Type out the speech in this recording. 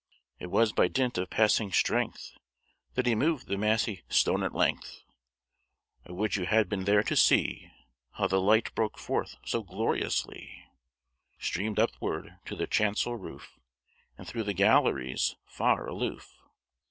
"It was by dint of passing strength, That he moved the massy stone at length. I would you had been there to see, How the light broke forth so gloriously, Streamed upward to the chancel roof, And through the galleries far aloof!